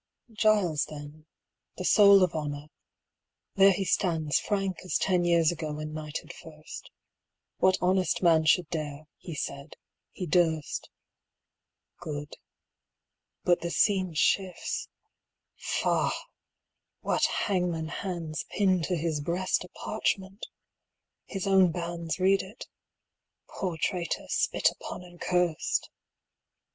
Giles then, the soul of honor there he stands Frank as ten years ago when knighted first. What honest man should dare (he said) he durst. Good but the scene shifts faugh! what hangman hands 100 Pin to his breast a parchment? His own bands Read it. Poor traitor, spit upon and cursed!